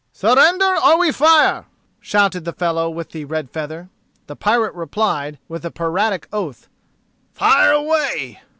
"Surrender, or we fire!" shouted the fellow with the red feather. The pirate replied, with a piratic oath, "Fire away."